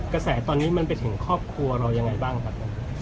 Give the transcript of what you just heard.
กระแสตอนนี้มันไปถึงครอบครัวเรายังไงบ้างครับ